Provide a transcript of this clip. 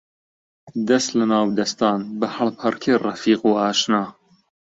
دەس لە ناو دەستان، بە هەڵپەڕکێ ڕەفیق و ئاشنا